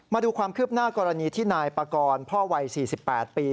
มาดูความคืบหน้ากรณีที่นายปากรพ่อวัย๔๘ปี